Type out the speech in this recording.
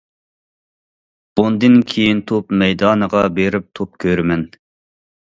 بۇندىن كېيىن توپ مەيدانىغا بېرىپ توپ كۆرىمەن.